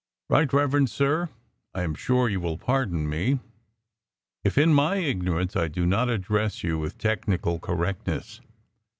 Rt. Rev. Sir: I am sure you will pardon me if, in my ignorance, I do not address you with technical correctness.